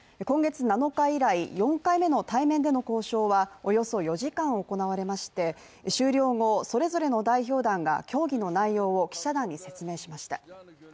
今月７日以来、４回目の対面での交渉はおよそ４時間、行われまして終了後、それぞれの代表団が協議の内容を記者団に説明しました。